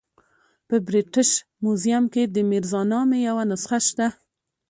په برټش میوزیم کې د میرزا نامې یوه نسخه شته.